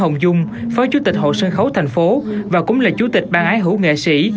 hồng dung phó chủ tịch hội sân khấu thành phố và cũng là chủ tịch ban ái hữu nghệ sĩ